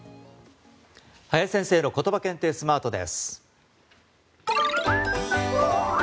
林先生のことば検定スマートです。